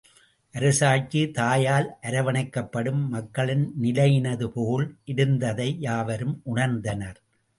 அரசாட்சி, தாயால் அரவணைக்கப்படும் மக்களின் நிலையினதுபோல் இருந்ததை யாவரும் உணர்ந்தனர்.